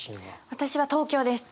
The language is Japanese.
私は東京です。